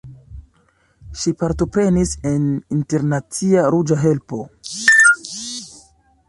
Ŝi partoprenis en Internacia Ruĝa Helpo.